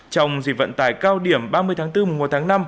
trong dịp vận tài cao điểm ba mươi tháng bốn mùa tháng năm